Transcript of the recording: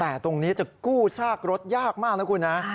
แต่ตรงนี้จะกู้ซากรถยากมากนะคุณนะ